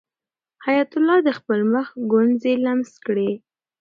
حیات الله د خپل مخ ګونځې لمس کړې.